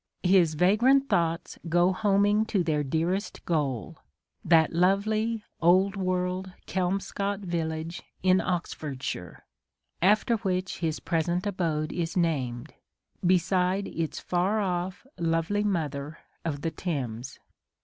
" His vagrant thoughts go homing to their dearest goal, that lovely old world Kelmscott village in Oxford shire, after which his present abode is named, beside its far off, lovely mother of the Thames."